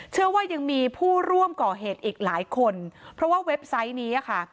เชื่อว่ายังมีผู้ร่วมก่อเหตุอีกหลายคนเพราะว่าเว็บไซต์นี้ค่ะ